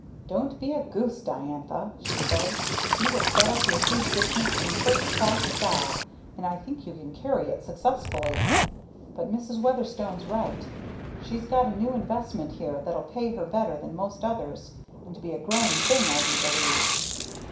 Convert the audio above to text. "Don't be a goose, Diantha," she said. "You will set up your food business in first class style, and I think you can carry it successfully. But Mrs. Weatherstone's right; she's got a new investment here that'll pay her better than most others and be a growing thing I do believe."